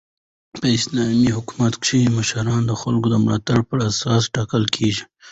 په اسلامي حکومت کښي مشران د خلکو د ملاتړ پر اساس ټاکل کیږي.